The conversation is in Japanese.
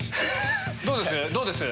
どうです？